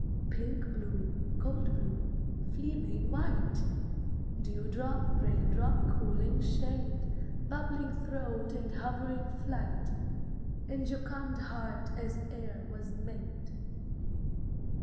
Pink bloom, gold bloom, fleabane white, Dewdrop, raindrop, cooling shade, Bubbling throat and hovering flight, And jocund heart as e'er was made.